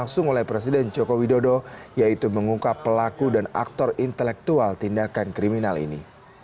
langsung oleh presiden joko widodo yaitu mengungkap pelaku dan aktor intelektual tindakan kriminal ini